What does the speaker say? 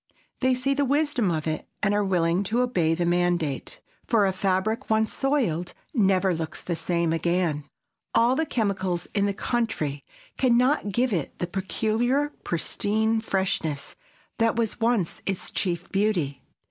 They see the wisdom of it and are willing to obey the mandate. For a fabric once soiled never looks the same again. All the chemicals in the country can not give it the peculiar pristine freshness that was once its chief beauty.